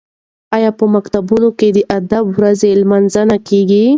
ایا په مکتبونو کې د ادبي ورځو لمانځنه کیږي؟